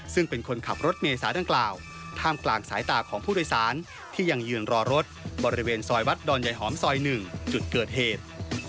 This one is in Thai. ซึ่งเป็นคนขับรถเมษาดังกล่าวท่ามกลางสายตาของผู้โดยสารที่ยังยืนรอรถบริเวณซอยวัดดอนยายหอมซอย๑จุดเกิดเหตุ